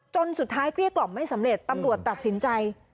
จนสุดท้ายเกลี้ยกล่อมไม่สำเร็จตำรวจตัดสินใจ